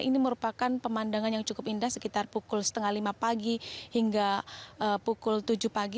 ini merupakan pemandangan yang cukup indah sekitar pukul setengah lima pagi hingga pukul tujuh pagi